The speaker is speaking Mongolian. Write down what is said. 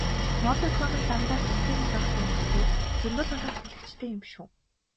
Мобикомыг дандаа л үнэтэйг нь гайхдаг мөртөө зөндөө л олон хэрэглэгчтэй юм биш үү?